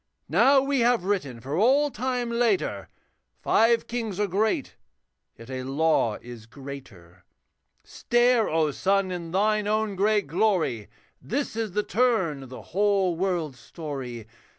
Now we have written for all time later, Five kings are great, yet a law is greater. Stare, O sun! in thine own great glory, This is the turn of the whole world's story.